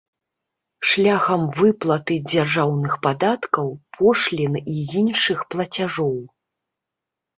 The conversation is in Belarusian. Шляхам выплаты дзяржаўных падаткаў, пошлін і іншых плацяжоў.